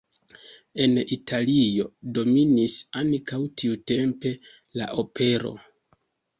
En Italio dominis ankaŭ tiutempe la opero.